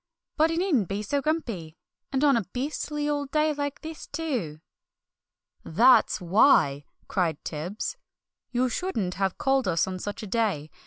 But he needn't be so grumpy, and on a beastly old day like this, too!" "That's why!" cried Tibbs. "You shouldn't have called us on such a day!